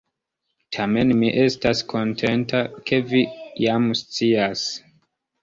Tamen mi estas kontenta, ke vi jam scias.